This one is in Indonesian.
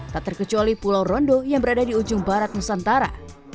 tak terkecuali pulau rondo yang berada di ujung barat nusantara